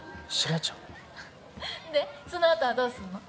でそのあとはどうすんの？